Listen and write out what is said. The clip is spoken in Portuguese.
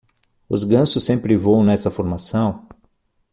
Os gansos sempre voam nessa formação?